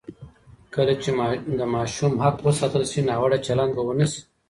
کله چې د ماشوم حق وساتل شي، ناوړه چلند به ونه شي.